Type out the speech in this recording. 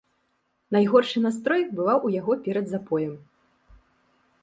Найгоршы настрой бываў у яго перад запоем.